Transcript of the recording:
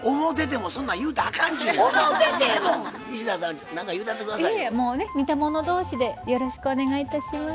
もうね似た者同士でよろしくお願いいたします。